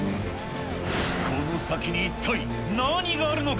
この先に一体、何があるのか。